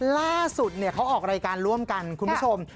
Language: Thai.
ล่าสุดเขาออกรายการร่วมกันคุณผู้ชม